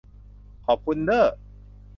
ขอบคุณเด้อ